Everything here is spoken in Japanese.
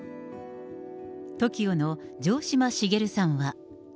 ＴＯＫＩＯの城島茂さんは。